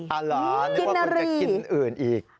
เหรอนึกว่าคุณจะกินอื่นอีก